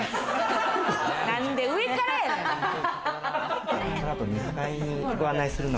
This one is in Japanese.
何で上からやねん！